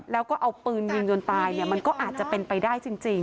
แล้วก็เอาปืนยิงจนตายเนี่ยมันก็อาจจะเป็นไปได้จริง